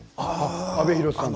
阿部寛さんの。